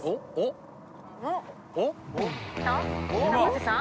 生瀬さん？